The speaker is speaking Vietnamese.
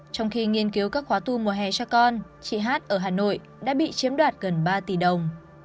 trong khi nghiên cứu các khóa tu mùa hè cho con chị hát ở hà nội đã bị chiếm đoạt gần ba tỷ đồng